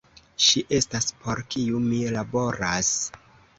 Ŝi estas, por kiu mi laboras.